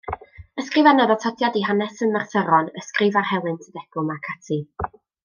Ysgrifennodd atodiad i Hanes y Merthyron, ysgrif ar Helynt y Degwm, ac ati.